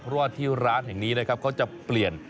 เพราะว่าที่ร้านแห่งนี้นะครับเขาจะเปลี่ยน